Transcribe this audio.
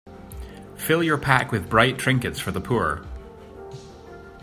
Fill your pack with bright trinkets for the poor.